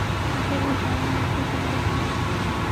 اگر وہ Haqqani network کے نکلتے ہیں۔